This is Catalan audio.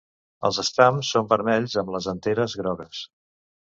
Els estams són vermells, amb les anteres grogues.